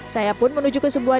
saya pun menuju ke sebuah